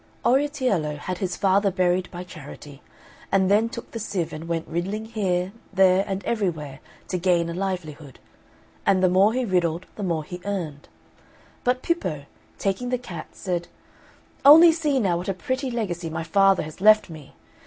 Oratiello had his father buried by charity; and then took the sieve and went riddling here, there, and everywhere to gain a livelihood; and the more he riddled, the more he earned. But Pippo, taking the cat, said, "Only see now what a pretty legacy my father has left me!